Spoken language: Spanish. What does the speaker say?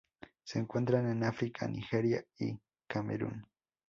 Se encuentran en África: Nigeria y Camerún.